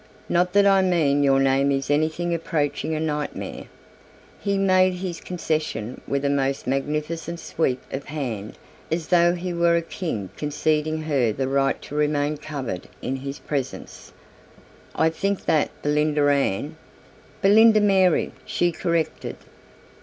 "Not that I mean your name is anything approaching a nightmare." He made this concession with a most magnificent sweep of hand as though he were a king conceding her the right to remain covered in his presence. "I think that Belinda Ann " "Belinda Mary," she corrected.